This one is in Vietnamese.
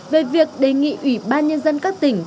về việc đề nghị ủy ban nhân dân các tỉnh